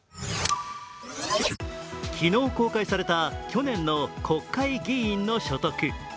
昨日、公開された去年の国会議員の所得。